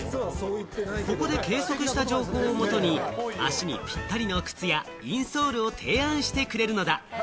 ここで計測した情報をもとに足にぴったりの靴やインソールを提案してくれるのだ。